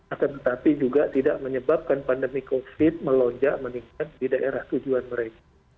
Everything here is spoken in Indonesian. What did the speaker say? akan tetapi juga tidak menyebabkan pandemi covid melonjak meningkat di daerah tujuan mereka